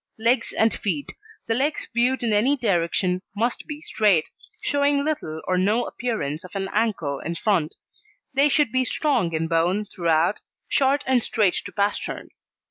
LEGS AND FEET The Legs viewed in any direction must be straight, showing little or no appearance of an ankle in front. They should be strong in bone throughout, short and straight to pastern.